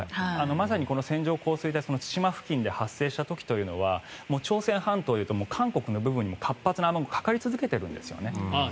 まさに線状降水帯対馬付近で発生した時というのは朝鮮半島、韓国の部分にも活発な雨雲がかかり続けているんですよね。